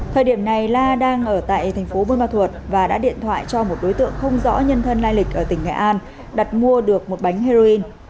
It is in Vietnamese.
thời điểm này la đang ở tại thành phố buôn ma thuột và đã điện thoại cho một đối tượng không rõ nhân thân lai lịch ở tỉnh nghệ an đặt mua được một bánh heroin